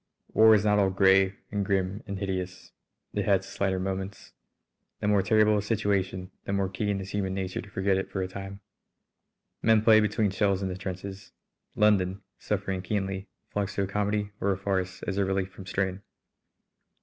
War is not all grey and grim and hideous. It has its lighter moments. The more terrible a situation the more keen is human nature to forget it for a time. Men play between shells in the trenches. London, suffering keenly, flocks to a comedy or a farce as a relief from strain.